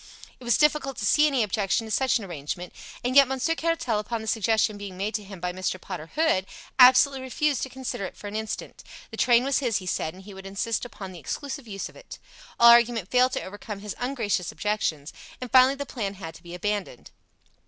It was difficult to see any objection to such an arrangement, and yet Monsieur Caratal, upon the suggestion being made to him by Mr. Potter Hood, absolutely refused to consider it for an instant. The train was his, he said, and he would insist upon the exclusive use of it. All argument failed to overcome his ungracious objections, and finally the plan had to be abandoned.